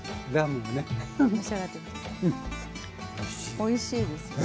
おいしいですよね。